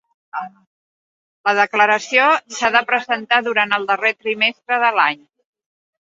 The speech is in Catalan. La declaració s'ha de presentar durant el darrer trimestre de l'any.